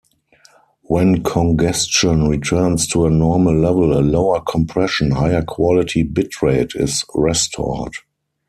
When congestion returns to a normal level, a lower-compression, higher-quality bitrate is restored.